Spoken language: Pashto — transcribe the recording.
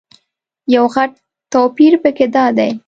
یو غټ توپیر په کې دادی.